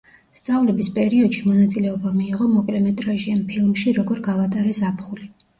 სწავლების პერიოდში მონაწილეობა მიიღო მოკლემეტრაჟიან ფილმში „როგორ გავატარე ზაფხული“.